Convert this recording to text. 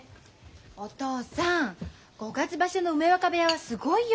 お父さん五月場所の梅若部屋はすごいよ！